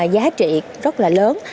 giá trị rất là lớn